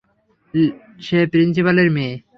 সে প্রিন্সিপালের মেয়ে।